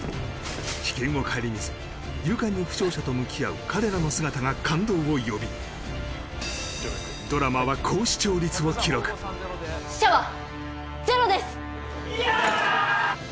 危険を顧みず勇敢に負傷者と向き合う彼らの姿が感動を呼びドラマは高視聴率を記録死者はゼロですやったー！